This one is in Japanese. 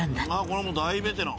これはもう大ベテラン。